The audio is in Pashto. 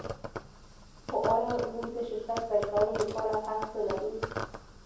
خو ایا موږ د شرکت پیل کولو لپاره هرڅه لرو